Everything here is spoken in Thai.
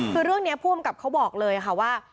คือเรื่องนี้ผู้อำกับเขาบอกเลยค่ะว่า